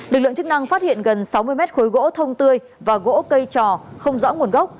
lực lượng chức năng phát hiện gần sáu mươi mét khối gỗ thông tươi và gỗ cây trò không rõ nguồn gốc